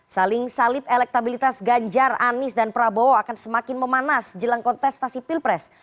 saling salib elektabilitas ganjar anies dan prabowo akan semakin memanas jelang kontestasi pilpres